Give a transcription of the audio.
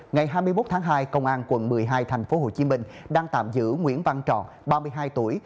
ngày hai mươi một tháng hai công an quận một mươi hai thành phố hồ chí minh đang tạm giữ nguyễn văn trọ ba mươi hai tuổi